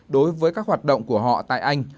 đối với các hoạt động của họ tại anh